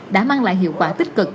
đã mang lại hiệu quả tích cực